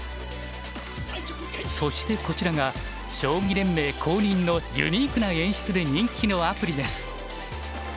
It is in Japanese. そしてこちらが将棋連盟公認のユニークな演出で人気のアプリです。